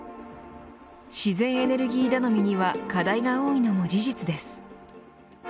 自然エネルギー頼みには課題が多いのも事実です。